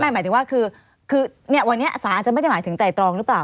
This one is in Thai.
หมายถึงว่าคือวันนี้สารอาจจะไม่ได้หมายถึงไตรตรองหรือเปล่า